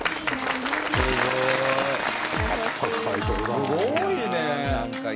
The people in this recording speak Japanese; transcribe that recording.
すごいね！